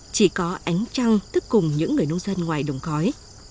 chỉ có ánh trăng thức cùng những người nông dân ngoài đồng cói